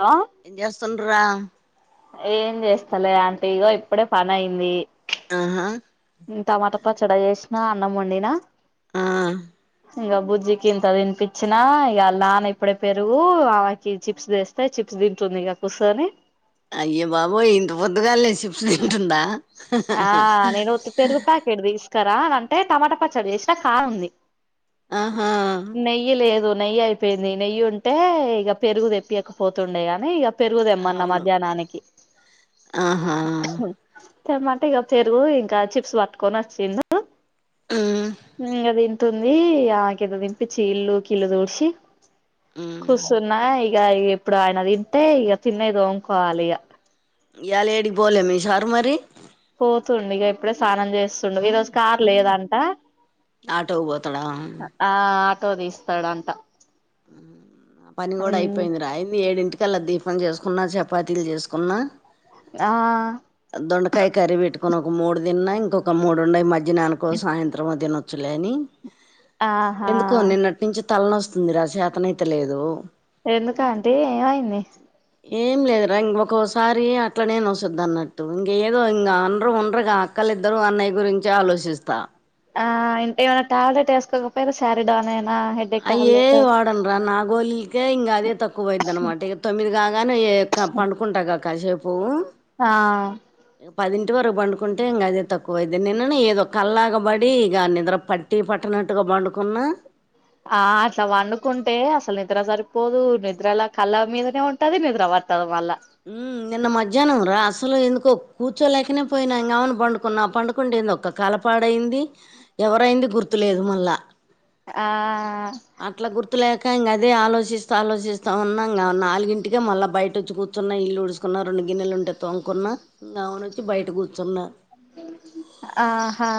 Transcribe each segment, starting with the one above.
Hello ఏం చేస్తుండ్రా ఏం చేస్తలే అంటీ ఇగో ఇప్పుడే పనైంది ఆహా హు టమాట పచ్చడ, చేసిన అన్నం వండినా ఆ ఇంక బుజ్జికి ఇంత తినిపిచ్చిన ఇగ నాన్న ఇప్పుడే పెరుగు ఆమెకి చిప్స్ తెస్తే చిప్స్ దింటుందిగా కూసోని అయ్య బాబోయ్ ఇంత పొద్దుగాల్ లేస్ చిప్స్ తింటుందా ఆ నేను ఉత్తి పెరుగు ప్యాకెట్ తీస్కరా అంటే టమాటా పచ్చడి చేసినా కానుంది ఆహా నెయైపేమ్డి నెయ్యుంటే ఇగ పెరుగు తెప్పియకపోతుండే గానీ ఇగ పెరుగుదెమ్మన్నా అవును మధ్యానానికి ఆహా తెమ్మంటే ఇగ పెరుగు ఇంకా చిప్స్ పట్టుకొని వచ్చిండు మ్మ్ ఇంక దీన్ తుందీ ఆ గింత తినిపించి, ఇల్లు ఉకి ఇల్లు తుడిచి మ్మ్ కూసున్న ఇ గ ఇక ఇప్పుడు ఆయన తింటే ఇక తిన్నయ్ తోముకోవాలిగ ఇయాలేడికి పోలే మి సార్ మరి పోతుండిగ ఇప్పుడే సానం చేస్తుండు ఈ రోజు కార్ లేదంట ఆటోక్ బోతాడా ఆ ఆటో తీస్తాడంట ఆ పని కూడా ఉమ్ అయిపోయింది, రా అయింది ఏడింటి కల్లా దీపం చేసుకున్నా చపాతీలు చేసుకున్నా ఆ దొండకాయ్ కర్రీ పెట్టుకొనొక మూడు దిన్నా ఇంకొక మూడుండయి మధ్ ద్యనానికో సాయంత్రం తినొచ్చులే అని ఆహా ఎందుకో నిన్నట్ నుంచి తల్నొస్తుంది రా చేేతనైత లేదు, ఎందుకాంటి ఏమైంది ఏం లేదురా ఇంకొకోసారి అట్లనేే నొస్తుంది అన్నట్టు ఇంక ఏదో ఇంకా అండరు ఉండ్రగా అక్క వాళ్ళిద్దర అన్నయ్య గురించి ఆలోచిస్తా ఆ ఇంకా ఏమైనా టాబ్లెట్ వేసుకోక పోతే శారీ డాన్ అయ్యేం వాడనురా నా గోలీలకే ఇంకా అదే తక్కువయిపోయిది అన్నమాట ఇక తొమ్మిది కాగానే పండుకుంట ఇగ కాసేపు ఆ పది టి వరకు పండుకుంటే ఇంకా అదే తక్కువైది నిన్నను ఏదో కల్లాగబడి ఇక నిద్ర పట్టి పట్టనట్టుగా, వండుకున్న ఆ అట్లా వండుకుంటే అసలు నిద్ర సరి పోదు నిద్రల కళ్ళ మీదనే ఉంటది నిద్ర పటాదు నిన్న మధ్యాహ్నంరా అసలు ఎందుకో కూర్చోలేకనే పోయినా ఇం కామని పండుకున్నా, ఆ పండుకుంటే ఏందో కలపాడైంది ఎవరైంది గుర్తు, లేదు మళ్ళా ఆ నాట్లా గుర్తులే ఇ ఇం అదే ఆలోచిస్తా ఆలోచిస్తా ఉన్నాం, నాలుగింటికి మళ్ళా బయట వచ్చి కూర్చున్న ఇల్లు ఊడుకున్న రెండు, గిన్నెలు ఉంటే తొంకున్న గమున వచ్చి బయట కూర్చున్న ఆహా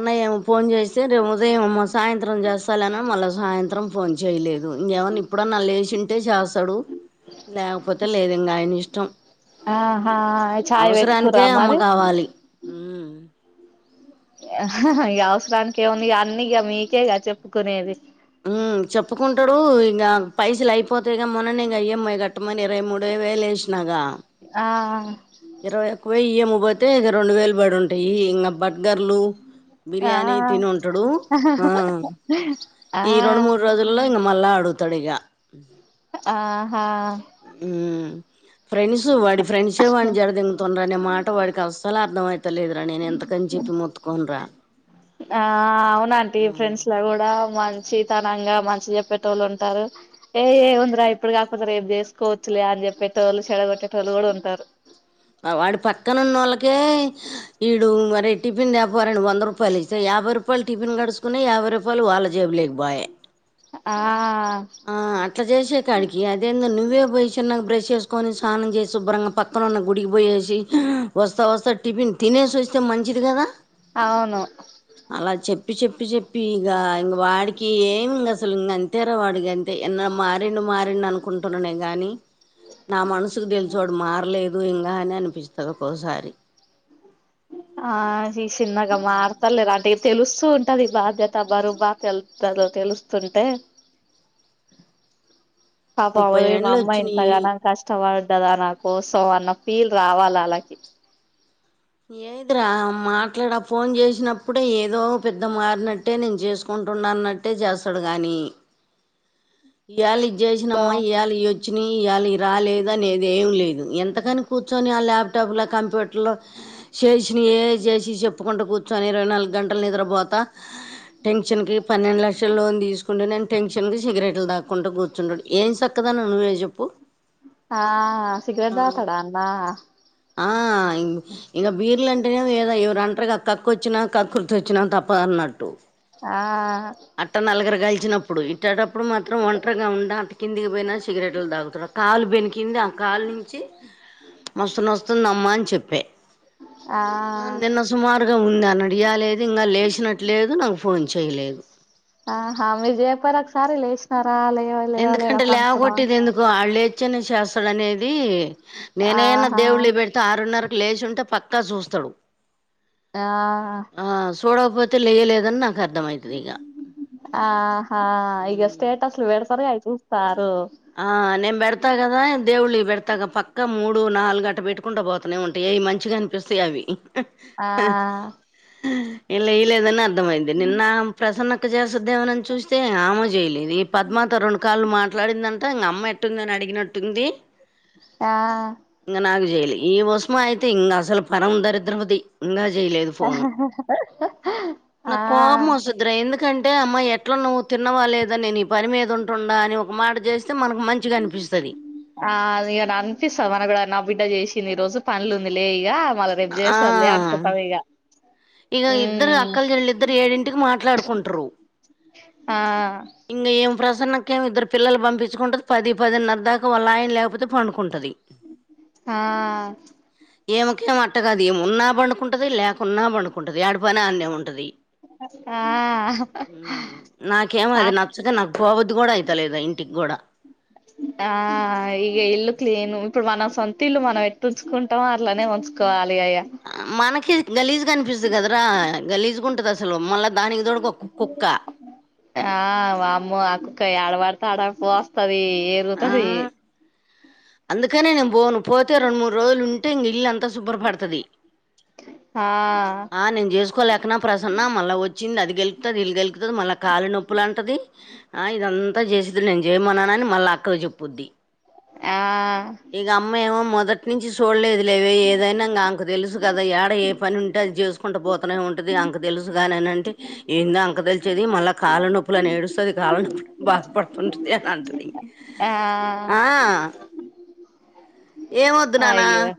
అన్న ఈమె ఫోన్ చేస్తే రేపు ఉదయం సాయంత్రం చేస్తా అన్నది మళ్ళ సాయంత్రం ఫోన్ చేయలేదు ఏమన్నా ఇప్పుడున్నా లేచ్చి ఉంటే చేస్తాడు. లేకపోతే లేదు ఇంకా ఆయన ఇష్టం ఆహా చాయ్ అవసరానికే పెట్టుకురా అమ్మ మరి కావాలి గవసరానికినికివను అన్నిగా మీకేగా చెప్పుకునేది మ్మ్ చెప్పుకుంటాడు ఇంక పైసలు అయిపోతేగా మొన్నని ఇంక ఈఎంఐ కట్టమని ఇరవై మూడు వేలు వేసినాగా ఆ ఇరవై ఒక్క వేయి ఈఎం కి పోతే, ఇక రెండు వేలు పడి ఉంటాయి. ఇంకా బ బర్గర్లు ఆ బిర్యానీ తిని ఉంటాడు. ఆ ఈ రెండు మూడు రోజులల్లో ఇం మళ్ళా అడుగుతాడు, ఇగా ఆహా మ్ ఫ్రెండ్స్ వాడి ఫ్రెండ్స్ వాడిని చెడ దేంగతుండరు, అనే మాట వాడికి అసలే అర్థం మైత, చెత్తలేదురా నేను ఎంతకని చెప్పి మొత్తుకోన రా ఆ అవునంటడి ఫ్రెండ్స్ లా కూడా మంచి తనంగా మంచి చెప్పేట వాళ్ళు ఉంటారు. ఏ ఏముందిరా ఇప్పుడు కాకపోతే రేపు చేసుకోవచ్చు, ఆరు చెప్పేట వాళ్ళు చెడగొట్టేట వాళ్ళు కూడా ఉంటారు వాడి పక్కన ఉన్నోళ్ళకే ఈడు మరి టిఫిన్ దెపోరా అని వంద రూపాయలు ఇస్ యాభై రూపాయలు టిఫిన్ గడుచకునే యాభై రూపాయలు వాళ్ళ జేబు లేకపోయే, ఆ ఆ అట్లా చేసేకాడికి అదేందో నువ్వే పోయి చిన్నగ బ్రష్ చేసుకొని స్నానం చేసి శుభ్రంగా పక్కనన్న గుడికిపోయేసి వస్తా వస్తా టిఫిన్ తినేసి వస్తే మంచిది కదా అవును అలా చెప్పి చెప్పి చెప్పి ఇక ఇంక వాడికి ఏమి ఇ అసలు ఇ అంతేరా వాడికి అంతే ఎన్న మారేండ మారిండు అనుకుంటున్ననే గాని నా మనసుకు దీని చోడు మారలేదు ఇంకా అని అనిపిస్తుంది ఒకసారి ఆ ఈ చిన్నగా మారుతలే అంటే తెలుస్తూ ఉంటది, బాధ్యత బరు బాగా తెలుతురు తెలుస్తుంటే అబ ముప్పై అర ఏండ్లు అమ్మ వచ్చినాయి ఇంతగాాల కష్టవా కదా నా కోసం అన్న ఫీల్ రావాలి అలాకి ఏదురా మాట్లాడ ఫోన్ చేసినప్పుడే ఏదో పెద్ద మారినట్టే నేను చేసుకుంట కుంటున్నాన్నట్టే చేస్తాడు కానీ ఎళ లో చేసినమ్మా ఏళ వచ్చిన ఇయ్యాల రాలేదు అదేం లేదు ఎంతకని ఊర్చుని ఆ లాప్టాప్ ల కంప్యూటర్ లో చేసి ఏ చేసి చెప్పకుండా కూర్చొని ఇరవై నాలుగు గంటలు నిద్రపోత టెన్షన్ క పన్నెండు లక్షల లోన్ తీసుకుంట నే టెన్షన్ సిగరెట్లు దాక్కుంటూ కూర్చుంటాడు. ఏం చక్కదాని నువ్వే చెప్పు. ఆ సిగరెట్ తాగుతాడా అన్న? ఇంక బీర్లు అంటేనే ఏదో ఎవరుంటారు కక్క వచ్చినా కక్కుర్తి వచ్చినా తప్ప అన్నట్టు ఆ వచ్చినప్పుడు ఇట్టప్ అప్పుడు మాత్రం ఒంటరిగా ఉండ అంత కిందికి పోయినా సిగరెట్లు తాగుతాడు కాలు బెణికింది. ఆ కాలు నుంచి వస్తున్న. వస్తున్నా అమ్మా అని చెప్పే ఆ ఇ ఉంది అని అడిగాలేదు ఇంకా లేచినట్లేదు నాకు ఫోన్ చేయలేదు. ఆ మీరు చేయకపోయారా ఒకసారి లేచినాక ఎందుకంటే లేవ కొట్టిది ఎందుకు ఆళ్లే అ చేస్తాడునేది నేనైనా ఆహా దేవుళ్ళి పెడితే ఆరున్నర లేచుంటే పక్కా చూస్తాడు. ఆ ఆ చూడకపోతే లేయలేదని అర్థమవుతది ఆహా? ఇక స్టేటస్లు పెడతారు గవి చూస్తా. ఆ నే పెడతాగదా దేవుళ్ళ వి. పెడతాగా పక్క మూడు నాలుగు అట పెట్టుకుంటా పోతనే ఉంటాయి అవి మంచిగా అనిపిస్తాయి అవి. ఆ ఇలా ఇ లేదని అర్థమయింది నిన్న నా ప్రసన్న ఇ చేసద్దేమని చూస్తే ఆమె చేయలేదు. ఈ పద్మావతి రెండు కాళ్లు మాట్లాడిందంట. ఇంగ అమ్మా ఎట్లుందని అడిగినట్టుంది. ఆ చేయ ఈ ఉసుమా అయితే ఇం అసలు పరం దరిద్రం ది ఇంకా ఆ నాకు కోపం వస్తుంది. అంటే అమ్మా ఎట్లా నువ్వు తిన్నవాలేదని, నేను ఈ పని మీద అంటుండ అని ఒక మాట చేసి అ మనకు మంచిగా అనిపిస్తాది. ఆ ఇక అనిపిస్తంది మన కూడా నా బిడ్డ చేసింది. ఈ రోజు పనులు ఉంది లే ఇక మళ్ళా రేపు చేస్తారు లే అర్సతారిగా ఇక ఇద్దరు అక్కల చెల్ళ ఇద్దరు ఏడింటికి మాట్లాడుకుంటారు. ఆ ఇంగ ఏం ప్రసన్నకేం ఇద్దరు పిల్లలు పంపించుకుంటది. పది పదిన్నర దాకా వాళ్ళు ఆయన లేకపోతే పండుకుంటాది. ఆ ఈ మెకేమో అట్ట కాదు ఉన్నా పడుకుంటది లేకున్నా పడుకుంటది ఏడ పని ఆడే ఉంటది. ఆ నాకేమో ఆ అది నచ్చక నాకు పోవద్దు కూడా అయితలేదు ఇంటికి. గూడ ఆ ఈగ ఇల్లు క్లీన్ ఇప్పుడు మన సొంతిల్లు మనం ఎట్టు ఉంచుకుంటామో అట్లనే ఉంచుకోవాలి. అయ్యా మనకి గలీజ్ కనిపిస్తుంది కదరా. గలీజు ఉంటది అసలు మళ్ళా దానికి తోడుగా ఒక కుక్క ఆ వామ్మో అక్కయాడ తడ పో పోస్తాది ఆ ఎరుగుతాది. అందుకనే నేను పోను పోతే రెండు మూడు రోజులు ఉంటే ఇంక ఇల్ అంతా శుభ్రపడతాది. ఆ ఆ నేను చేసుకోలేకనా ప్రసన్న మళ్ళా వచ్చింది అది గెలుకుతాది ఇది గెలుకుతాది. మళ్ళా కాళ్ల నొప్పులు అంటది. ఆ ఇదంతా చేస్తి నేను చేయమన్నాన అని మళ్ళా అక్కకి చెప్పుద్ది. ఆ ఇక అమ్మ మొత్తం మొదటి నుంచి చూడలేదు లేవే ఏదైనా ఆమెకు తెలుసు కదా యాడ ఏ పని ఉంటే అది చేసుకుంటూ పోతనే ఉంటది. నాకు తెలుసుగానని అంటే ఏంద అంక తెలిసేది మళ్ళా కాళ నొప్పులా నేడుస్తుంది కాళ్ నొప్పి బా పడుతుంటుంది అనంటది ఆ ఏం వొద్దు నాన్న అయ్యో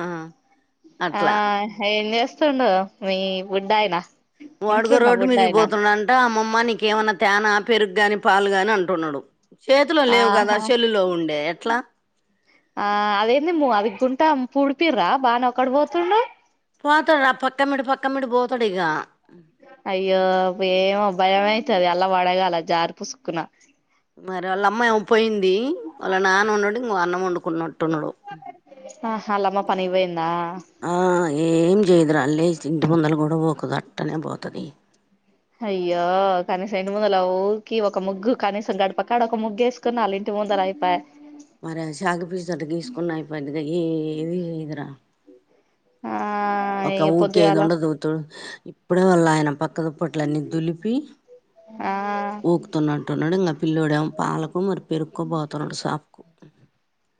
ఆ ఆ అట్లా ఏం చేస్తుండు మీ బుడ్డయినా వాడుగో రోడ్డు మీదిగి పోతుండంట అమ్మమ్మ నీకేమైన్నా తేన పెరుగగాని పాలు గాని అంటున్నాడు చేతిలో లేవు కదా ఆహా సెల్లులో ఉండే ఎట్లా ఆ అదేంది అది గుంటా పుడిపిర్రా బాగానే ఒక్కడే పోతుండు పోతుండు ఆ పక్ అయ్యో ఏమో భయమై మళ్ళ పడగల జారి పుసుకున మరి వాళ్ళ అమ్మ ఏమో పోయింది వాళ్ళ నాన్న ఉన్నాడు ఇంగో అన్నం వండుకున్నట్టున్నాడు ఆహా ఆళ్ళమ్మ పనికి పోయిందా ఆ ఏం చేయదుర లేచి ఇంటి ముందల కూడా ఊకదు అట్టనే పోతది అయ్యో కనీసం ఇంటి ముందలకి ఊకి ఒక ముగ్గు కనీసం గడప కదా ఒక ముగ్గు వేసుకున్నా ఆళ్ళ ఇంటి తొందర అయిపాయి మరే సాకుపీసు తో అట గీసుకున్న అయిపొద్ది కదా ఏమి లేదు రా ఆ ఒక ఇగ పొద్దుగాల ఊకేదుండదు ఇప్పుడే వాల్ల ఆయన పక్కదుప్పట్లన్నీ దులిపి ఆ ఊకుతున్నట్టున్నాడు ఇంకా పిల్లుడు ఏమో పాలకు మరి పెరుక్కో పోతున్నాడు షాపుకు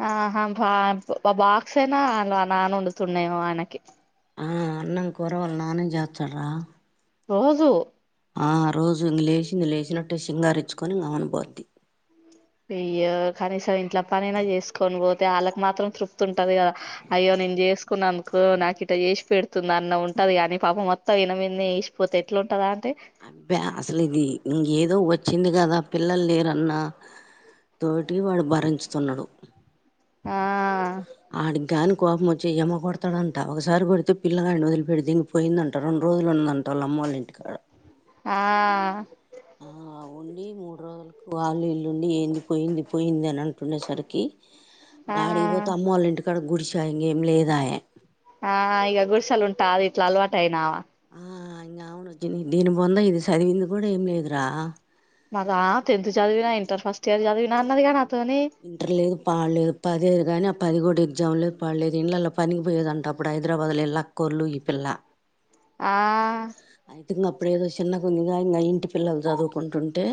ఆహా బ బాక్స్ అయినా నాన వండుతున్నడెమో ఆయనకి ఆ అన్నం కూర వాళ్ళ నాన్నే చేస్తాడు రా రోజు ఆ రోజు ఇంగ లేచింది లేచినట్టే సింగారి ఇచ్చుకొని గమ్మున పోద్ది అయ్యో కనీసం ఇంట్లో పనైనా చేసుకొని పోతు అతే వాళ్ళకు మాత్రం తృప్తి ఉంటది కదా అయ్యో నేను చేసుకున్నందుకు నాకు ఇట చేసి పెడుతుంది అన్నం ఉంటది కానీ పాపం మొత్తం ఈనమేదనే ఏసిపోతే ఎట్లా ఉంటది అబ్బా అసలు ఇది ఇంగేదో వచ్ వచ్చింది కదా పిల్లలు లేరన్న తోటి వాడు భరించుతున్నాడు ఆ ఆడిగానీ ! ! ! ! ! ! ! ! ! ! అమ్మోలింటి కాడ ఆ ఉండి మూడు రోజులకు వాళ్లు ఇల్లుండి ఏంది పోయింది పోయింది అని అంటునేసరికి ఆ ఆడిగిపోతే అమ్మోళ్ళ ఇంటికాడ గుడిస ఇంకేం లేదాయే ఆ ఇగ గుడ్సల్ ఉంటాది ఇట్ల అల్వాట అయినామా ఆ ఇంగ అవును దీని బొంద ఇది చదివింది కూడా ఏం లేదురా మరి ఆ టెన్త్ చదివిన ఇంటర్ ఫస్ట్ ఇయర్ చదివినా అన్నది కదా నాతో ఇంటర్ లేదు పాడులేదు పదిదు గాని ఆ పది కూడా ఎగ్జామ్ లేదు పాడులేదు ఇండ్లలో పనికిపోయేదంట అప్పుడు హైదరాబాద్లో వాళ్ళ అక్కోలు ఈ పిల్ల ఆ అయితే ఇంక అప్పుడు ఏదో చిన్న కొన్నిగా ఇంకా ఇంటి పిల్లలు చదువుకుంటుంటే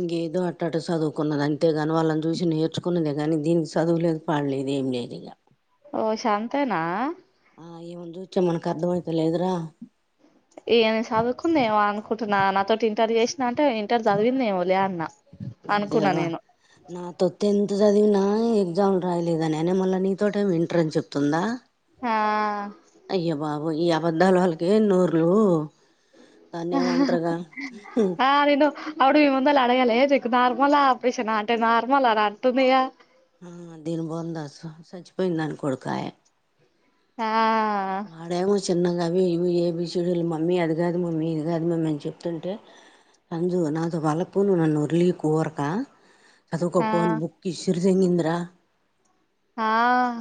ఇంకేదో అట్టట చదువుకున్నది అంతేగాని వాళ్ళని చూసి నేర్చుకున్నదే గానీ దీనికి చదువవులేదు పాడులేదు. ఏం లేదు ఇగ ఓసి అంతేనా ఆ ఈమని చూత్తే మనకు అర్థమైత లేదురా ఈమా చదువుకుందేమో అనుకుంటున్నా నాతోటి ఇంటర్ చేసినా అంటే ఇంటర్ చదివిందేమో లే అన్నా ఓరి అనుకున్నా దేవుడా నేను నాతో టెన్త్ చదివిన గ్జామ్ రాయలేదా నేనే మళ్ళీ నీతోట ఏమి వింటర్ అని చెప్తుందా ఆ అయ్యోబాబోయి ఈ అబద్ధాల్ వాళ్ళకి ఏం నోర్లు దాన్ని ఏమంటారుగా ఆ నేను అవుడు మీ ముందలు అడగాలే చెక్కు నార్మలా ఆపరేషన్ ఆ అంటే నార్మల్ అలా అంటుందిగా ఆ దీని బొంద సచ్చిపోయిన దాన్ కొడుకాయే ఆ అడేమో ష్ చిన్నగా అవి ఇవి ఏబీషిడుల్ మమ్మీ అది కాదు మమ్మీ ఇది కాదు మమ్మీ అన్ చెప్తుంటే అంజూ నాతో పాలపూ నువ్ నన్ను ఒర్లీకు ఊర్కా అదోక ఆ ఫోన్ బుక్ ఇషూర్! ! ! ! ! ! ! ! ! ! రా ఆహ్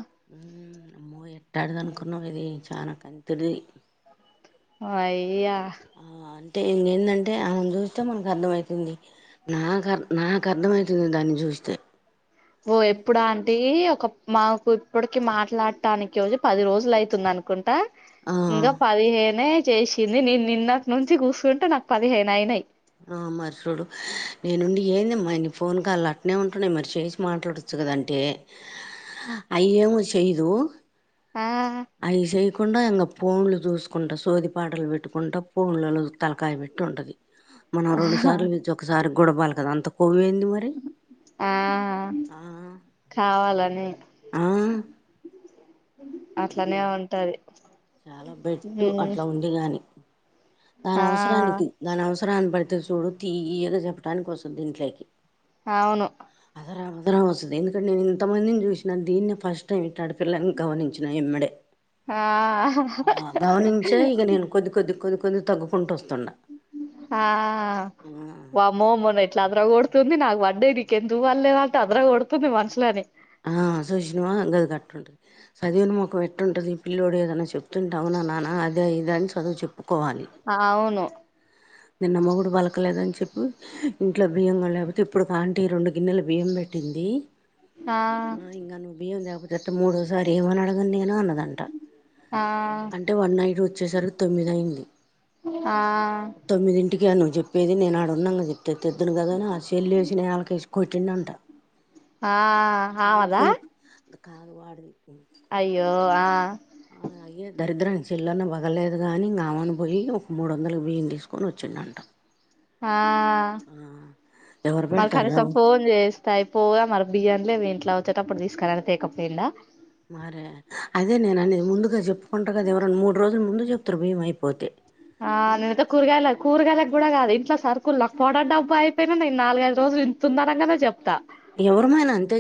అమ్మో ఎట్టాంటిది అనుకున్నావ్ ఇది చానా కంతిర్ది అయ్య ఆ అంటే ఇంగ్ ఎందంటే ఆమెను చూస్తే మనక్ అర్థమయితుంది నాక్ అర్ధ్ నాక్ అర్థమైతుంది దాన్ని చూస్తే వో ఎప్పుడ్ అంటి ఒక మాకు ఇప్పడ్కి మాట్లాడటానికి పది రోజులైతుంద్ అనుకుంటా ఆ ఇంగా పదిహేనే చేసింది నేన్ నిన్నటి నుంచి కూసంటే నాక్ పదిహేనైనయ్ ఆ మర్ చూడు నేనుండి ఏంద్మాయి నీ ఫోన్ కాళ్ళు అట్నే ఉంటున్నాయ్ మరి చేసి మాట్లాడుచ్చు గదంటే అయేమో చెయ్దు ఆ కుండా ఇంకా పోన్లు చూసుకుంటా సోది పాటలు పెట్టుకుంట పూనులలో తలకాయ వేట్టి ఉంటది మనం రోండు సార్లు పిల్చి ఒకసారికి గూడ పలకదు అంతక్ కోవెంది మరి ఆ ఆ కావాలని ఆ అబ్బో అట్లానే ఉంటది చాలా బెట్టు ఉమ్ అట్లా ఉండి గాని దాని ఆ అవసరానికి దాని అవసరాని బట్టి చూడు తీయగా చెప్పడానికి ఓస్తది ఇంట్లోకి అవును దరం వస్తది ఎందుకంటే నేను ఇంతమందిని చూసినా దీన్నే ఫస్ట్ టైం ఇట్ టడ్పిల్లన్ గమనించిన ఇమ్మడే ఆ ఆ గమనించే ఇగా నేన్ కొద్ది కొద్ది కొద్కు ఆ వామ్మో మోన ఎట్ల్ ట్లద్ర కొడుతుంది నాకు పడ్డాయి నీకు ఎందుకు పళ్లే దంటంది అదర కొడుతుంది మనుషులని ఆ సుశీనవ గది గట్టుంటది సదివిన మొకం ఎట్టుంటది పిల్లోడ్ ఏదన్నా చెప్ తుంటావ్ అవున నాన్న అద ఇద అని చదువు చెప్ అవును నిన్న మొగుడు పలకలేదని చెప్పి ఇంట్లో బియ్యం గూడలే తీప్పుడు కాంటి రోండు గిన్నెల బియ్యం పెట్టింది ఆ ఇంగ నువ్వు బియ్యం తే పోతే ఎట్ట మూడోసారి ఎం అని అడగాను అన్నదన్ ఆ అంటే వన్ నైట్ వచ్చేసరికి తొమ్మిదైంది ఆ ఇంటికే నువ్ చెప్పేది నే ఆడ ఉన్నాంగ చెప్ తే తేద్దను కదా అని ఆ సేల్ ఏసి నేలాకేసి కొట్టిండ్ అంట ఆ అమాద కాదు వాడిది ఓ ఆ అయ్యే దరిద్రానికి సేల్లన్న పగలేదుగా అనీ ఇంగ్ ఆమెను పోయి ఒక మూడు వందలు బియ్యం తీసుకొని ఒచ్చిండ్ అంట ఆహ్ ఎవరు నాక్ పెడతార్రా కనీసం ఫోన్ చేస్తే అయిపోగా మరి బియ్యంలేవ్ ఇంట్ల్ ట్ల ఓచ్చేటప్పుడు తీసుకురా తేకపోయిండా మరే అదే నేను అనేది ముందుగా చెప్పుకుంటారు కదా ఎవరనా మూడ్ రోజుల్ ముందు చెప్తారు బియ్యం అయిపోతే ఆ నేను ఐతే కూర్గాయల కూర్గాయలకి కూడా కాదు ఇది ఇట్లా సరుకులు లా పొడర్ డబ్బా అయిపోయినా నేను నగైదు రోజలు ఇంతున్నగానే చెప్తా ఎవరుమైనా అంతే